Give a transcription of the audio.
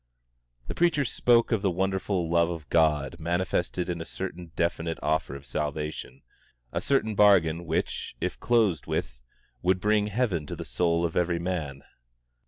The preacher spoke of the wonderful love of God manifested in a certain definite offer of salvation, a certain bargain, which, if closed with, would bring heaven to the soul of every man.